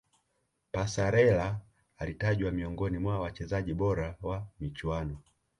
passarella alitajwa miongoni mwa wachezaji bora wa michuano